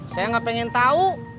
saya gak pengen tau